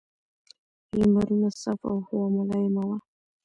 لمرونه صاف او هوا ملایمه وه.